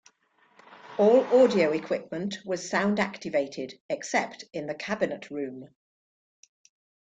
All audio equipment was sound-activated, except in the Cabinet Room.